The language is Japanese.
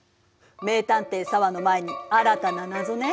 名探偵紗和の前に新たな謎ね。